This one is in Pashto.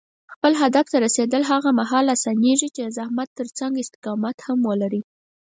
خپل هدف ته رسېدل هغه مهال اسانېږي چې د زحمت ترڅنګ استقامت هم لرې.